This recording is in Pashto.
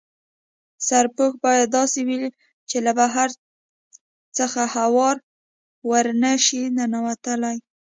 سرپوښ باید داسې وي چې له بهر څخه هوا ور نه شي ننوتلای.